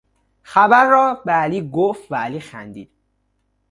خبر را به علی گفت و علی خندید.